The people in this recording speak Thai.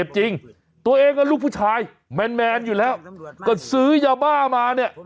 จริงตัวเองกับลูกผู้ชายแมนอยู่แล้วก็ซื้อยาบ้ามาเนี่ย